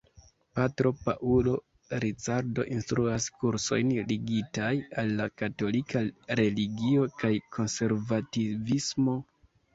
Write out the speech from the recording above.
Patro Paulo Ricardo instruas kursojn ligitaj al la katolika religio kaj konservativismo.